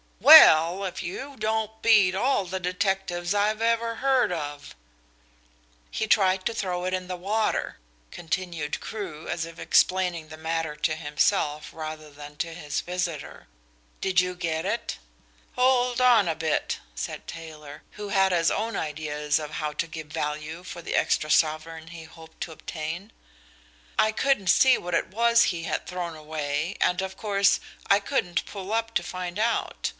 "Well, if you don't beat all the detectives I've ever heard of." "He tried to throw it in the water," continued Crewe, as if explaining the matter to himself rather than to his visitor. "Did you get it?" "Hold on a bit," said Taylor, who had his own ideas of how to give value for the extra sovereign he hoped to obtain. "I couldn't see what it was he had thrown away, and, of course, I couldn't pull up to find out.